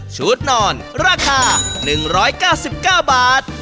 ชุดนอนราคา๑๙๙บาท